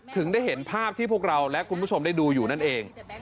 ถึงได้เห็นภาพที่พวกเราและคุณผู้ชมได้ดูอยู่นั่นเอง